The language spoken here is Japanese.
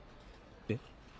えっ？